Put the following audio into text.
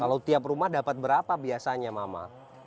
kalau tiap rumah dapat berapa biasanya mama